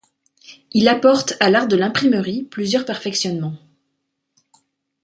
Il apporte à l'art de l'imprimerie plusieurs perfectionnements.